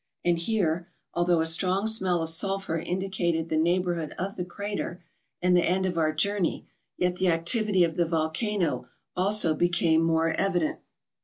And here, although a strong smell of sulphur indicated the neighbourhood of the crater and the end of our journey, yet the activity of the volcano ASCENT OF THE GUNUNG. 247 also became more evident.